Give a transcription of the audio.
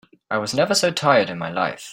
I was never so tired in my life.